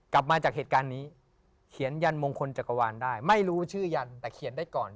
กลับมาจากเหตุการณ์นี้เขียนยันมงคลจักรวาลได้ไม่รู้ชื่อยันแต่เขียนได้ก่อน